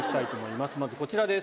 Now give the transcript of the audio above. まずこちらです。